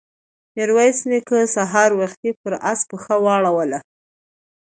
ميرويس نيکه سهار وختي پر آس پښه واړوله.